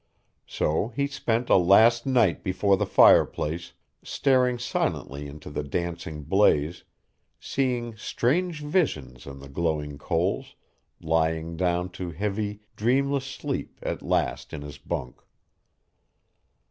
So he spent a last night before the fireplace, staring silently into the dancing blaze, seeing strange visions in the glowing coals, lying down to heavy, dreamless sleep at last in his bunk.